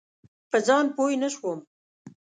په ځان پوی نه شوم.